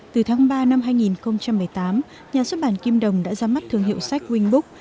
từ tháng ba năm hai nghìn một mươi tám nhà xuất bản kim đồng đã ra mắt thương hiệu sách wing book